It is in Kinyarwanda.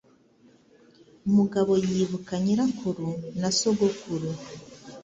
Mugabo yibuka nyirakuru na sogokuru.